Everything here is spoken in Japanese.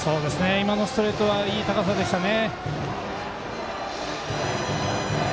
今のストレートはいい高さでしたね。